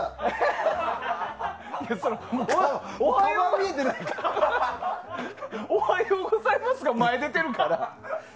おはようございますが前に出てるから。